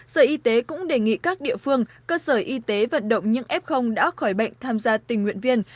sở y tế cũng đề nghị các địa phương cơ sở y tế vận động những f đã khỏi bệnh tham gia tình nguyện viên